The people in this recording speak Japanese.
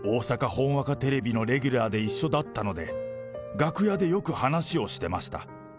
ほんわかテレビのレギュラーで一緒だったので、楽屋でよく話をしてました。